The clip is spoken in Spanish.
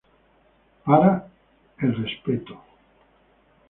Para el respeto.